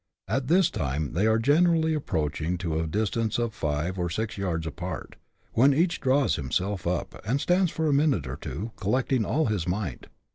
All this time they are gradually approaching to a distance of five or six yards apart, when each draws himself up, and stands for a minute or two, " collecting all his might."